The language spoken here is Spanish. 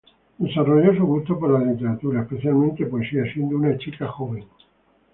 Desarrolló su gusto por la literatura, especialmente poesía, siendo una chica joven.